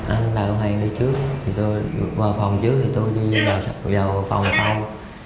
anh đào minh hoàng đi trước tôi vào phòng trước tôi đi vào phòng sau